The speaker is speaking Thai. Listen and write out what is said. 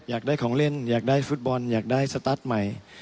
อยากได้ของเล่นอยากได้ฟุตบอลอยากได้สตาร์ทใหม่